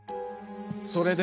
それで？